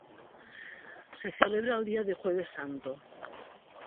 Se celebra el Día de Jueves Santo.